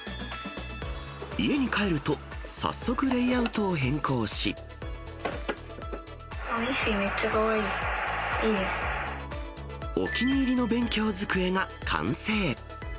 家に帰ると、早速レイアウトを変ミッフィー、めっちゃかわいお気に入りの勉強机が完成。